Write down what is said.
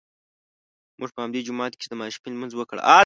موږ په همدې جومات کې د ماسپښین لمونځ وکړ.